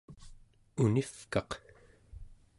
univkaq